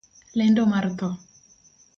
Lendo mar thoo